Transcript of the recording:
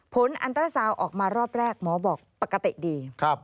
อันตราซาวออกมารอบแรกหมอบอกปกติดี